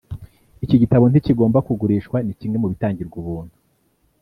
iki gitabo ntikigomba kugurishwa ni kimwe mu bitangirwa ubuntu